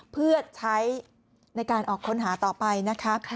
เพื่อใช้ในการออกค้นหาต่อไปนะคะ